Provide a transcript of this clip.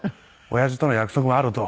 親父との約束があると。